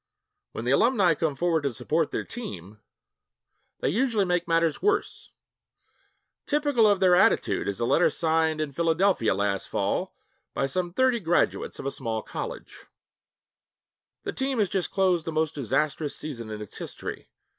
When the alumni come forward to 'support their team,' they usually make matters worse. Typical of their attitude is a letter signed in Philadelphia last fall by some thirty graduates of a small college: 'The team has just closed the most disastrous season in its history....